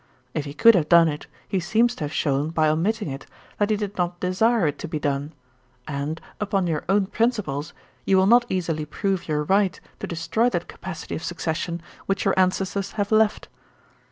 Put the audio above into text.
If he could have done it, he seems to have shown, by omitting it, that he did not desire it to be done; and, upon your own principles, you will not easily prove your right to destroy that capacity of succession which your ancestors have left.